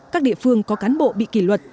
các địa phương có cán bộ bị kỳ luật